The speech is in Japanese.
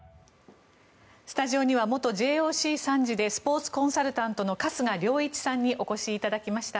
スタジオには元ＪＯＣ参事でスポーツコンサルタントの春日良一さんにお越しいただきました。